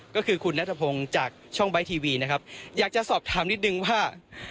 ก็คือคุณนัทพงศ์จากช่องไบท์ทีวีนะครับอยากจะสอบถามนิดนึงว่า